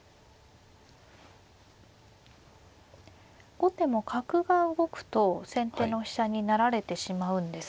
後手も角が動くと先手の飛車に成られてしまうんですが。